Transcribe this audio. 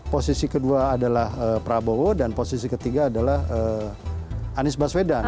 posisi kedua adalah prabowo dan posisi ketiga adalah anies baswedan